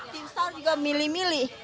timstar juga milih milih